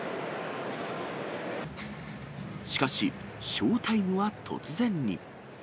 しかし、ショータイムは突然に。